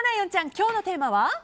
今日のテーマは？